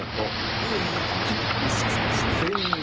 いやいやほんとにすいませんでした！